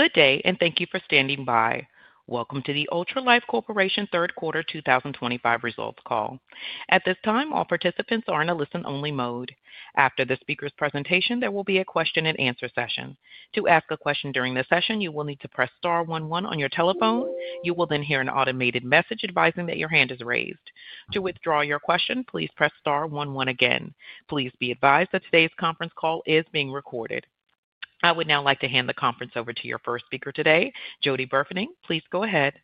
Good day, and thank you for standing by. Welcome to the Ultralife Corporation Third Quarter 2025 results call. At this time, all participants are in a listen-only mode. After the speaker's presentation, there will be a question-and-answer session. To ask a question during the session, you will need to press star 11 on your telephone. You will then hear an automated message advising that your hand is raised. To withdraw your question, please press star 11 again. Please be advised that today's conference call is being recorded. I would now like to hand the conference over to your first speaker today, Jody Burfening. Please go ahead.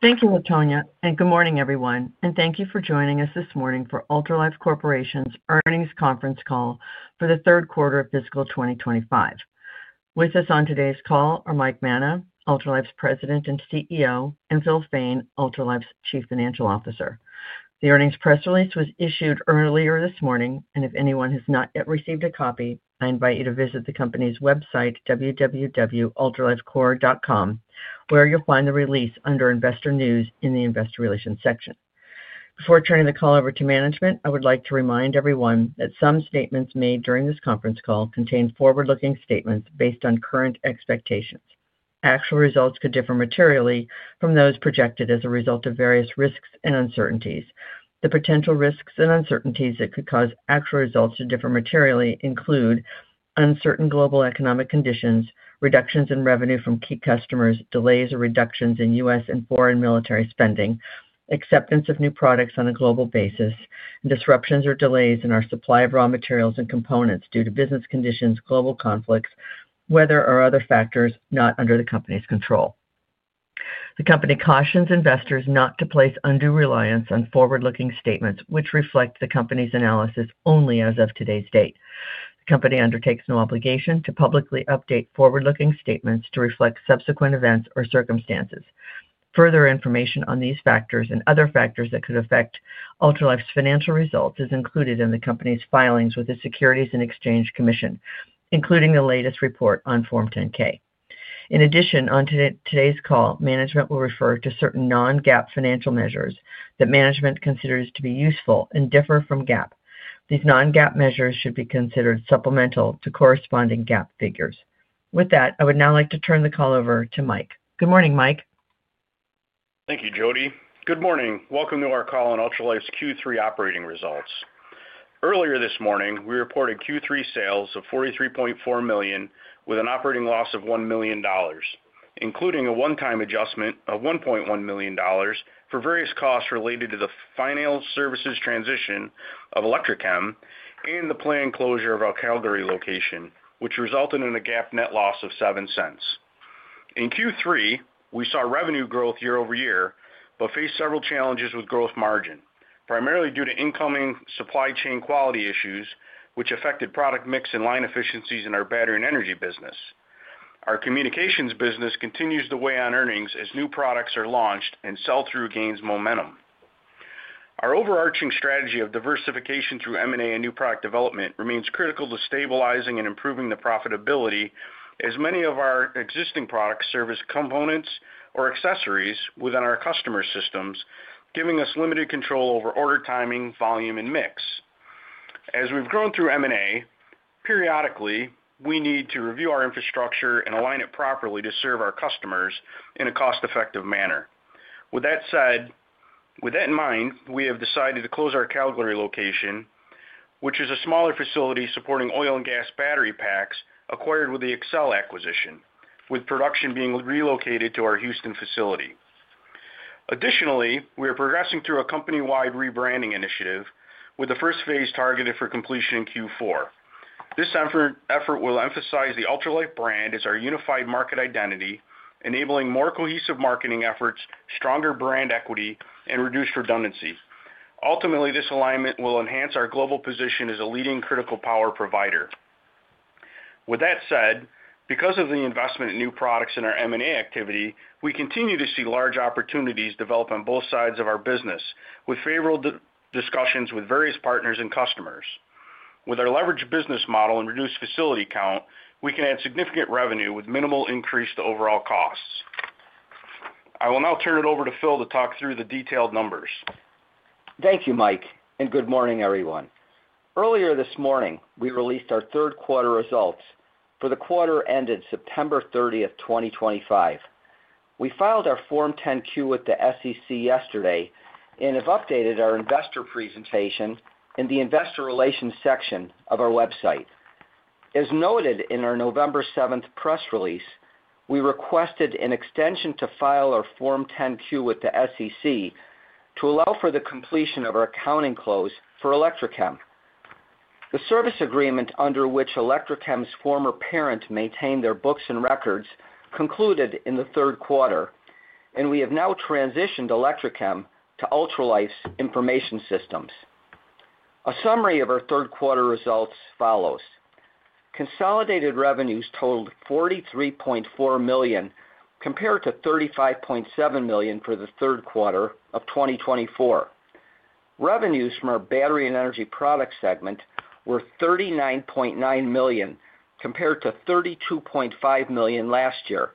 Thank you, Latonya, and good morning, everyone. Thank you for joining us this morning for Ultralife Corporation's earnings conference call for the third quarter of fiscal 2025. With us on today's call are Mike Manna, Ultralife's President and CEO, and Phil Fain, Ultralife's Chief Financial Officer. The earnings press release was issued earlier this morning, and if anyone has not yet received a copy, I invite you to visit the company's website, www.ultralifecore.com, where you'll find the release under Investor News in the Investor Relations section. Before turning the call over to management, I would like to remind everyone that some statements made during this conference call contain forward-looking statements based on current expectations. Actual results could differ materially from those projected as a result of various risks and uncertainties. The potential risks and uncertainties that could cause actual results to differ materially include uncertain global economic conditions, reductions in revenue from key customers, delays or reductions in U.S. and foreign military spending, acceptance of new products on a global basis, disruptions or delays in our supply of raw materials and components due to business conditions, global conflicts, weather, or other factors not under the company's control. The company cautions investors not to place undue reliance on forward-looking statements, which reflect the company's analysis only as of today's date. The company undertakes no obligation to publicly update forward-looking statements to reflect subsequent events or circumstances. Further information on these factors and other factors that could affect Ultralife's financial results is included in the company's filings with the Securities and Exchange Commission, including the latest report on Form 10-K. In addition, on today's call, management will refer to certain non-GAAP financial measures that management considers to be useful and differ from GAAP. These non-GAAP measures should be considered supplemental to corresponding GAAP figures. With that, I would now like to turn the call over to Mike. Good morning, Mike. Thank you, Jody. Good morning. Welcome to our call on Ultralife's Q3 operating results. Earlier this morning, we reported Q3 sales of $43.4 million with an operating loss of $1 million, including a one-time adjustment of $1.1 million for various costs related to the financial services transition of Electric Chem and the planned closure of our Calgary location, which resulted in a GAAP net loss of $0.07. In Q3, we saw revenue growth year over year but faced several challenges with gross margin, primarily due to incoming supply chain quality issues, which affected product mix and line efficiencies in our battery and energy business. Our communications business continues to weigh on earnings as new products are launched and sell-through gains momentum. Our overarching strategy of diversification through M&A and new product development remains critical to stabilizing and improving the profitability, as many of our existing products service components or accessories within our customer systems, giving us limited control over order timing, volume, and mix. As we've grown through M&A, periodically, we need to review our infrastructure and align it properly to serve our customers in a cost-effective manner. With that said, with that in mind, we have decided to close our Calgary location, which is a smaller facility supporting oil and gas battery packs acquired with the Excel acquisition, with production being relocated to our Houston facility. Additionally, we are progressing through a company-wide rebranding initiative, with the first phase targeted for completion in Q4. This effort will emphasize the Ultralife brand as our unified market identity, enabling more cohesive marketing efforts, stronger brand equity, and reduced redundancy. Ultimately, this alignment will enhance our global position as a leading critical power provider. With that said, because of the investment in new products and our M&A activity, we continue to see large opportunities develop on both sides of our business, with favorable discussions with various partners and customers. With our leveraged business model and reduced facility count, we can add significant revenue with minimal increase to overall costs. I will now turn it over to Phil to talk through the detailed numbers. Thank you, Mike, and good morning, everyone. Earlier this morning, we released our third quarter results for the quarter ended September 30, 2025. We filed our Form 10-Q with the SEC yesterday and have updated our investor presentation in the Investor Relations section of our website. As noted in our November 7th press release, we requested an extension to file our Form 10-Q with the SEC to allow for the completion of our accounting close for Electric Chem. The service agreement under which Electric Chem's former parent maintained their books and records concluded in the third quarter, and we have now transitioned Electric Chem to Ultralife's information systems. A summary of our third quarter results follows: consolidated revenues totaled $43.4 million compared to $35.7 million for the third quarter of 2024. Revenues from our battery and energy product segment were $39.9 million compared to $32.5 million last year.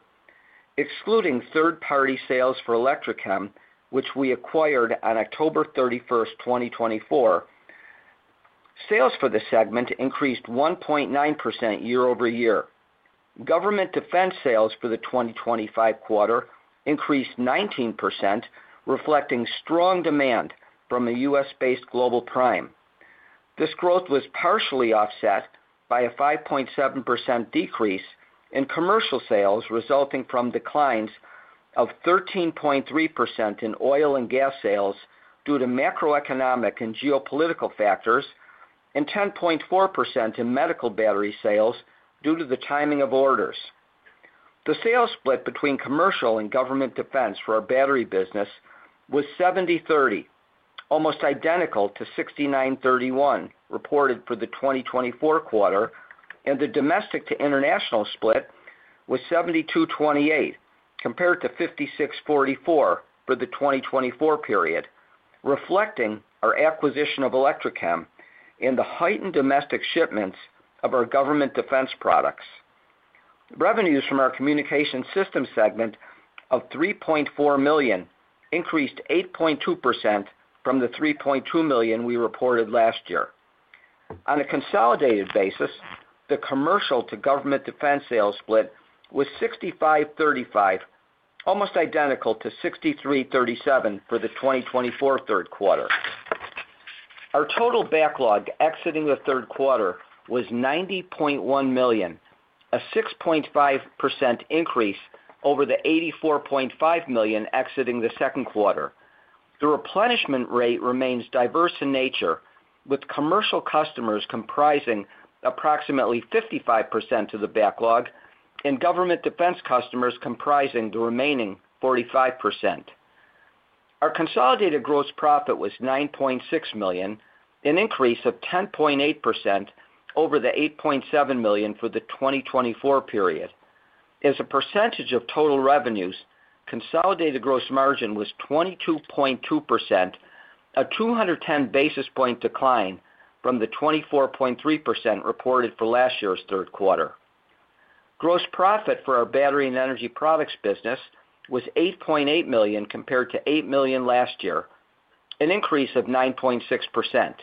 Excluding third-party sales for Electric Chem, which we acquired on October 31, 2024, sales for the segment increased 1.9% year over year. Government defense sales for the 2025 quarter increased 19%, reflecting strong demand from a U.S.-based global prime. This growth was partially offset by a 5.7% decrease in commercial sales resulting from declines of 13.3% in oil and gas sales due to macroeconomic and geopolitical factors, and 10.4% in medical battery sales due to the timing of orders. The sales split between commercial and government defense for our battery business was 70/30, almost identical to 69/31 reported for the 2024 quarter, and the domestic-to-international split was 72/28 compared to 56/44 for the 2024 period, reflecting our acquisition of Electric Chem and the heightened domestic shipments of our government defense products. Revenues from our communication systems segment of $3.4 million increased 8.2% from the $3.2 million we reported last year. On a consolidated basis, the commercial-to-government defense sales split was 65/35, almost identical to 63/37 for the 2024 third quarter. Our total backlog exiting the third quarter was $90.1 million, a 6.5% increase over the $84.5 million exiting the second quarter. The replenishment rate remains diverse in nature, with commercial customers comprising approximately 55% of the backlog and government defense customers comprising the remaining 45%. Our consolidated gross profit was $9.6 million, an increase of 10.8% over the $8.7 million for the 2024 period. As a percentage of total revenues, consolidated gross margin was 22.2%, a 210 basis point decline from the 24.3% reported for last year's third quarter. Gross profit for our battery and energy products business was $8.8 million compared to $8 million last year, an increase of 9.6%.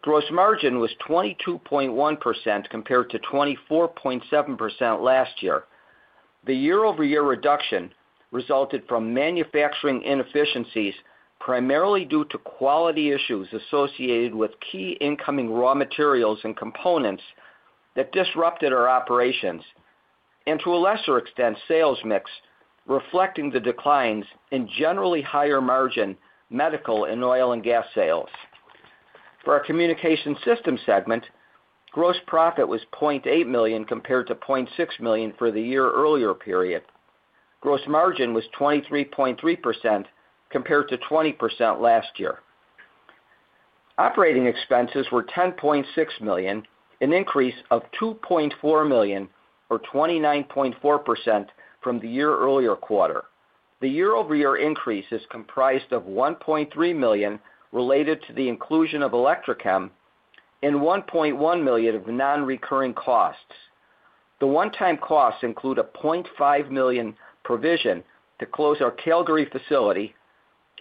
Gross margin was 22.1% compared to 24.7% last year. The year-over-year reduction resulted from manufacturing inefficiencies, primarily due to quality issues associated with key incoming raw materials and components that disrupted our operations, and to a lesser extent, sales mix, reflecting the declines in generally higher margin medical and oil and gas sales. For our communication systems segment, gross profit was $0.8 million compared to $0.6 million for the year earlier period. Gross margin was 23.3% compared to 20% last year. Operating expenses were $10.6 million, an increase of $2.4 million, or 29.4% from the year earlier quarter. The year-over-year increase is comprised of $1.3 million related to the inclusion of Electric Chem and $1.1 million of non-recurring costs. The one-time costs include a $0.5 million provision to close our Calgary facility,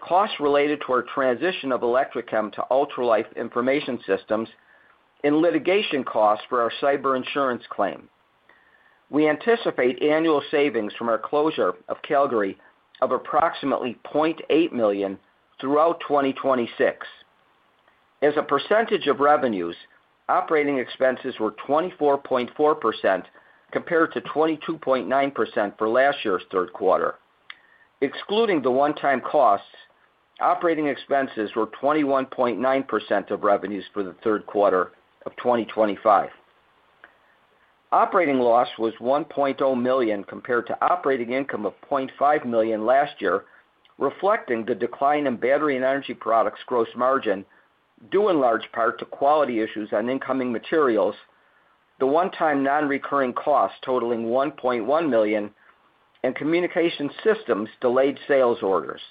costs related to our transition of Electric Chem to Ultralife Information Systems, and litigation costs for our cyber insurance claim. We anticipate annual savings from our closure of Calgary of approximately $0.8 million throughout 2026. As a percentage of revenues, operating expenses were 24.4% compared to 22.9% for last year's third quarter. Excluding the one-time costs, operating expenses were 21.9% of revenues for the third quarter of 2025. Operating loss was $1.0 million compared to operating income of $0.5 million last year, reflecting the decline in battery and energy products gross margin due in large part to quality issues on incoming materials, the one-time non-recurring costs totaling $1.1 million, and communication systems delayed sales orders.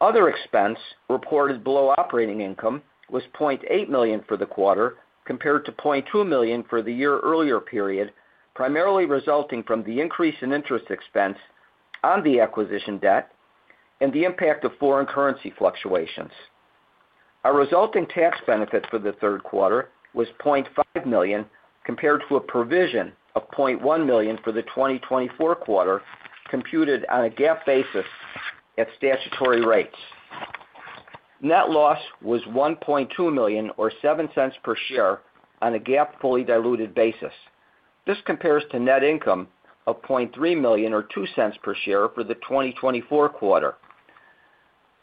Other expense reported below operating income was $0.8 million for the quarter compared to $0.2 million for the year earlier period, primarily resulting from the increase in interest expense on the acquisition debt and the impact of foreign currency fluctuations. Our resulting tax benefit for the third quarter was $0.5 million compared to a provision of $0.1 million for the 2024 quarter computed on a GAAP basis at statutory rates. Net loss was $1.2 million, or $0.07 per share, on a GAAP fully diluted basis. This compares to net income of $0.3 million, or $0.02 per share, for the 2024 quarter.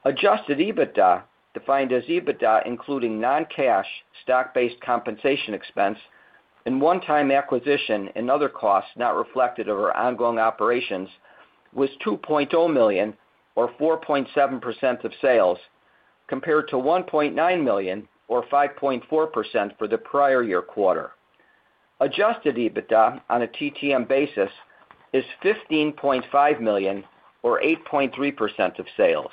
Adjusted EBITDA, defined as EBITDA including non-cash stock-based compensation expense and one-time acquisition and other costs not reflected of our ongoing operations, was $2.0 million, or 4.7% of sales, compared to $1.9 million, or 5.4% for the prior year quarter. Adjusted EBITDA on a TTM basis is $15.5 million, or 8.3% of sales.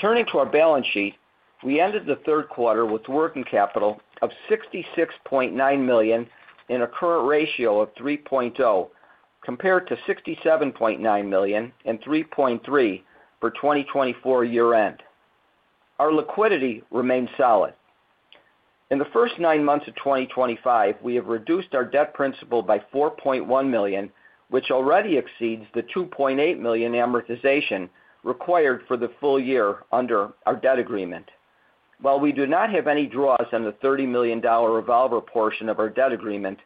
Turning to our balance sheet, we ended the third quarter with working capital of $66.9 million and a current ratio of 3.0 compared to $67.9 million and 3.3 for 2024 year-end. Our liquidity remained solid. In the first nine months of 2025, we have reduced our debt principal by $4.1 million, which already exceeds the $2.8 million amortization required for the full year under our debt agreement. While we do not have any draws on the $30 million revolver portion of our debt agreement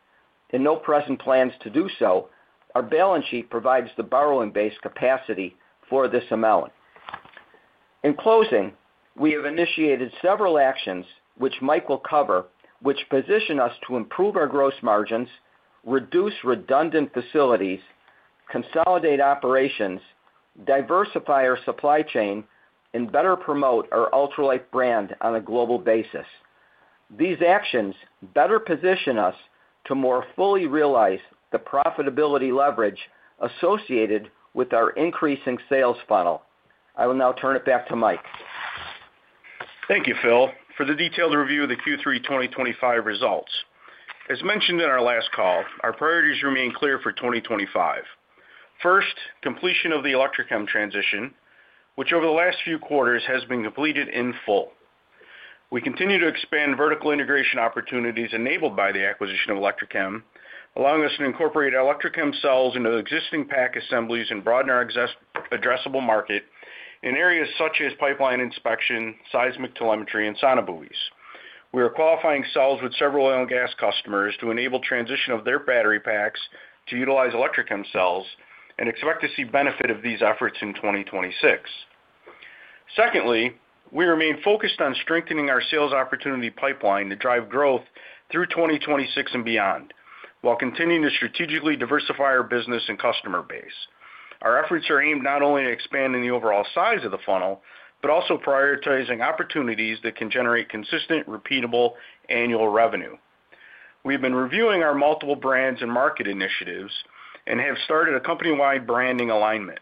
and no present plans to do so, our balance sheet provides the borrowing-based capacity for this amount. In closing, we have initiated several actions, which Mike will cover, which position us to improve our gross margins, reduce redundant facilities, consolidate operations, diversify our supply chain, and better promote our Ultralife brand on a global basis. These actions better position us to more fully realize the profitability leverage associated with our increasing sales funnel. I will now turn it back to Mike. Thank you, Phil, for the detailed review of the Q3 2025 results. As mentioned in our last call, our priorities remain clear for 2025. First, completion of the Electric Chem transition, which over the last few quarters has been completed in full. We continue to expand vertical integration opportunities enabled by the acquisition of Electric Chem, allowing us to incorporate Electric Chem cells into existing pack assemblies and broaden our addressable market in areas such as pipeline inspection, seismic telemetry, and sonobuoys. We are qualifying cells with several oil and gas customers to enable transition of their battery packs to utilize Electric Chem cells and expect to see benefit of these efforts in 2026. Secondly, we remain focused on strengthening our sales opportunity pipeline to drive growth through 2026 and beyond, while continuing to strategically diversify our business and customer base. Our efforts are aimed not only to expand in the overall size of the funnel, but also prioritizing opportunities that can generate consistent, repeatable annual revenue. We have been reviewing our multiple brands and market initiatives and have started a company-wide branding alignment.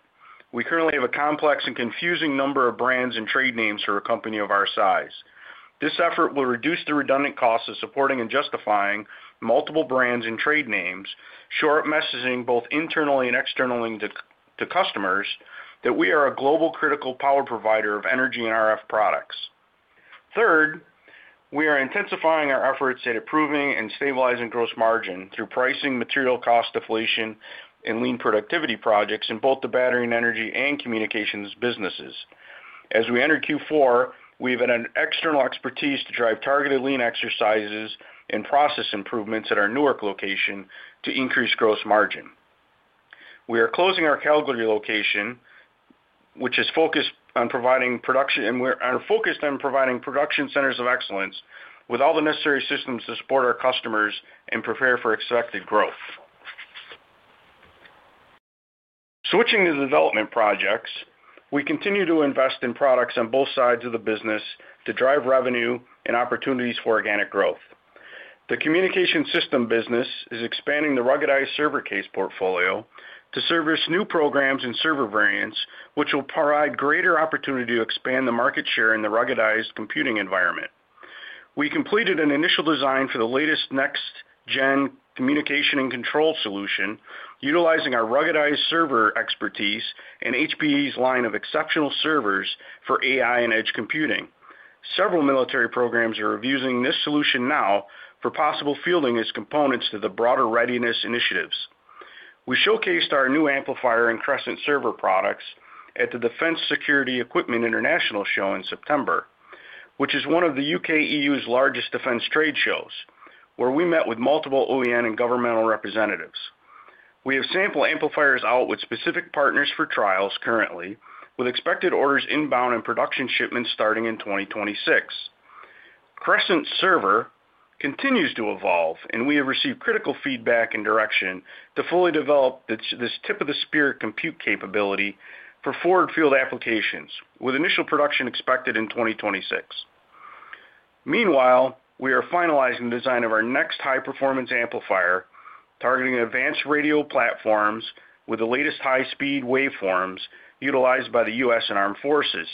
We currently have a complex and confusing number of brands and trade names for a company of our size. This effort will reduce the redundant costs of supporting and justifying multiple brands and trade names, shore up messaging both internally and externally to customers that we are a global critical power provider of energy and RF products. Third, we are intensifying our efforts at improving and stabilizing gross margin through pricing, material cost deflation, and lean productivity projects in both the battery and energy and communications businesses. As we enter Q4, we have an external expertise to drive targeted lean exercises and process improvements at our Newark location to increase gross margin. We are closing our Calgary location, which is focused on providing production centers of excellence with all the necessary systems to support our customers and prepare for expected growth. Switching to development projects, we continue to invest in products on both sides of the business to drive revenue and opportunities for organic growth. The communication system business is expanding the ruggedized server case portfolio to service new programs and server variants, which will provide greater opportunity to expand the market share in the ruggedized computing environment. We completed an initial design for the latest next-gen communication and control solution, utilizing our ruggedized server expertise and HPE's line of exceptional servers for AI and edge computing. Several military programs are using this solution now for possible fielding as components to the broader readiness initiatives. We showcased our new amplifier and Crescent server products at the Defense Security Equipment International show in September, which is one of the U.K./EU's largest defense trade shows, where we met with multiple OEM and governmental representatives. We have sampled amplifiers out with specific partners for trials currently, with expected orders inbound and production shipments starting in 2026. Crescent server continues to evolve, and we have received critical feedback and direction to fully develop this tip-of-the-spear compute capability for forward-field applications, with initial production expected in 2026. Meanwhile, we are finalizing the design of our next high-performance amplifier, targeting advanced radio platforms with the latest high-speed waveforms utilized by the U.S. and armed forces.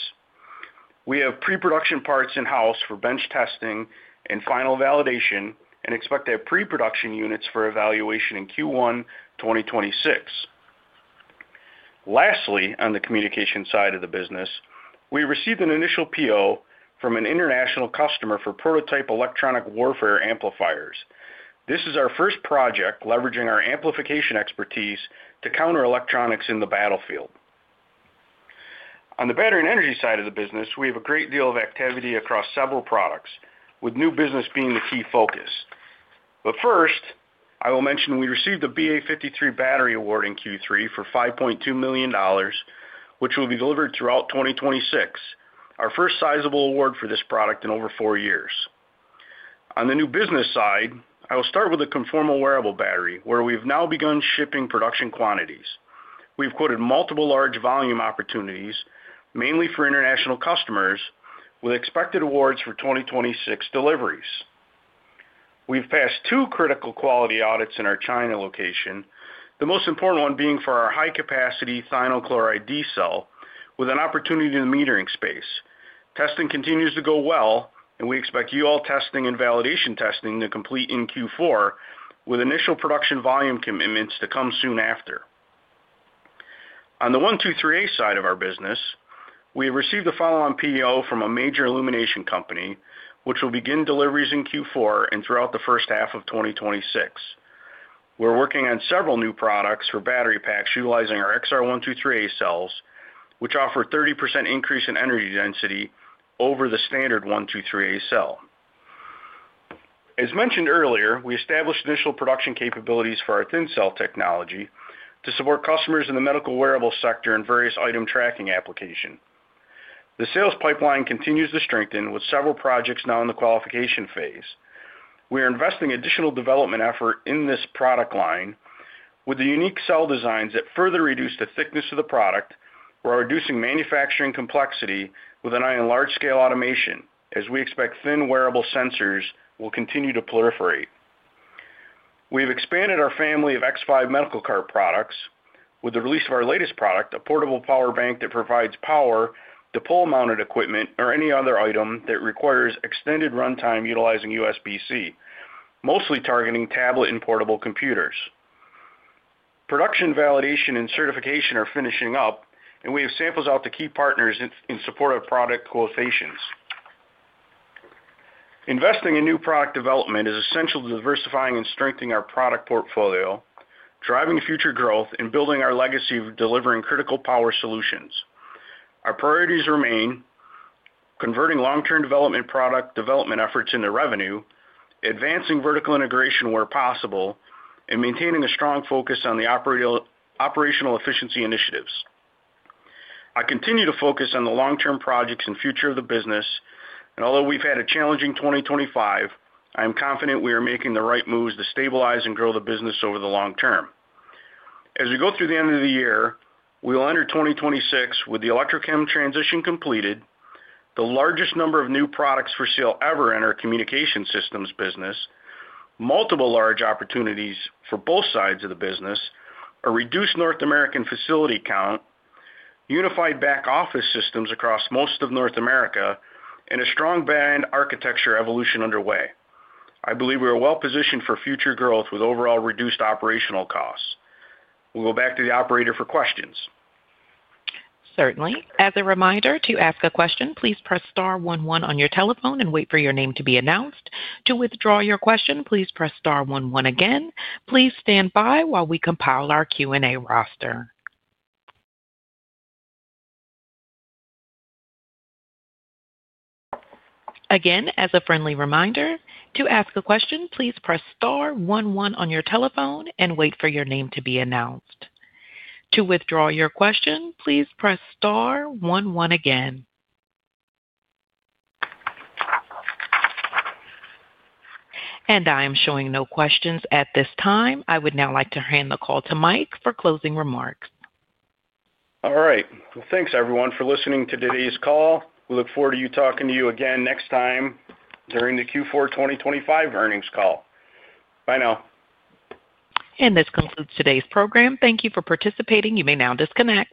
We have pre-production parts in-house for bench testing and final validation and expect to have pre-production units for evaluation in Q1 2026. Lastly, on the communication side of the business, we received an initial PO from an international customer for prototype electronic warfare amplifiers. This is our first project leveraging our amplification expertise to counter electronics in the battlefield. On the battery and energy side of the business, we have a great deal of activity across several products, with new business being the key focus. First, I will mention we received a BA53 battery award in Q3 for $5.2 million, which will be delivered throughout 2026, our first sizable award for this product in over four years. On the new business side, I will start with a conformal wearable battery, where we have now begun shipping production quantities. We have quoted multiple large volume opportunities, mainly for international customers, with expected awards for 2026 deliveries. We've passed two critical quality audits in our China location, the most important one being for our high-capacity thionyl chloride D cell with an opportunity in the metering space. Testing continues to go well, and we expect UL testing and validation testing to complete in Q4, with initial production volume commitments to come soon after. On the 123A side of our business, we have received the follow-on PO from a major illumination company, which will begin deliveries in Q4 and throughout the first half of 2026. We're working on several new products for battery packs utilizing our XR123A cells, which offer a 30% increase in energy density over the standard 123A cell. As mentioned earlier, we established initial production capabilities for our thin cell technology to support customers in the medical wearable sector and various item tracking applications. The sales pipeline continues to strengthen, with several projects now in the qualification phase. We are investing additional development effort in this product line, with the unique cell designs that further reduce the thickness of the product, while reducing manufacturing complexity with an eye on large-scale automation, as we expect thin wearable sensors will continue to proliferate. We have expanded our family of X5 medical card products with the release of our latest product, a portable power bank that provides power to pull-mounted equipment or any other item that requires extended runtime utilizing USB-C, mostly targeting tablet and portable computers. Production validation and certification are finishing up, and we have samples out to key partners in support of product quotations. Investing in new product development is essential to diversifying and strengthening our product portfolio, driving future growth, and building our legacy of delivering critical power solutions. Our priorities remain converting long-term product development efforts into revenue, advancing vertical integration where possible, and maintaining a strong focus on the operational efficiency initiatives. I continue to focus on the long-term projects and future of the business, and although we've had a challenging 2025, I am confident we are making the right moves to stabilize and grow the business over the long term. As we go through the end of the year, we will enter 2026 with the Electric Chem transition completed, the largest number of new products for sale ever in our communication systems business, multiple large opportunities for both sides of the business, a reduced North American facility count, unified back office systems across most of North America, and a strong brand architecture evolution underway. I believe we are well positioned for future growth with overall reduced operational costs. We'll go back to the operator for questions. Certainly. As a reminder, to ask a question, please press star 11 on your telephone and wait for your name to be announced. To withdraw your question, please press star 11 again. Please stand by while we compile our Q&A roster. Again, as a friendly reminder, to ask a question, please press star 11 on your telephone and wait for your name to be announced. To withdraw your question, please press star 11 again. I am showing no questions at this time. I would now like to hand the call to Mike for closing remarks. All right. Thanks, everyone, for listening to today's call. We look forward to talking to you again next time during the Q4 2025 earnings call. Bye now. This concludes today's program. Thank you for participating. You may now disconnect.